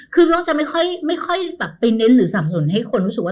คือน้องจะไม่ค่อยแบบไปเน้นหรือสับสนให้คนรู้สึกว่า